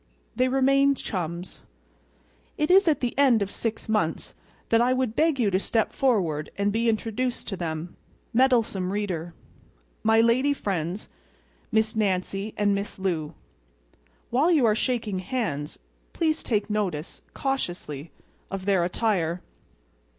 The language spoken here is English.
They remained chums. It is at the end of six months that I would beg you to step forward and be introduced to them. Meddlesome Reader: My Lady friends, Miss Nancy and Miss Lou. While you are shaking hands please take notice—cautiously—of their attire.